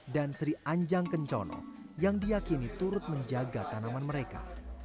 dan sri anjang kencono yang diakini turut menjaga tanaman mereka